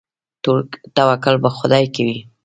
توکل په خدای کوئ؟